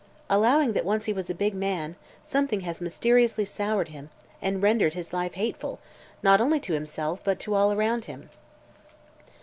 Allowing that once he was a big man, something has mysteriously soured him and rendered his life hateful not only to himself but to all around him."